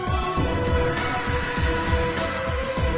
โอ้โอ้โอ้โอ้